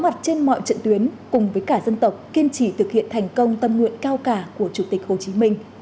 mặt trên mọi trận tuyến cùng với cả dân tộc kiên trì thực hiện thành công tâm nguyện cao cả của chủ tịch hồ chí minh